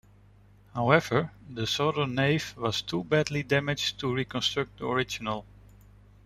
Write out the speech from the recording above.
However, the southern nave was too badly damaged to reconstruct the original.